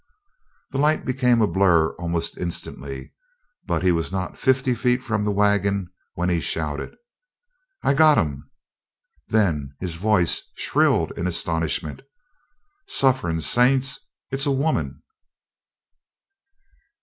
The light became a blur almost instantly, but he was not fifty feet from the wagon when he shouted: "I got him!" Then his voice shrilled in astonishment "Sufferin' Saints! It's a woman!"